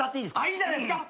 いいじゃないですか。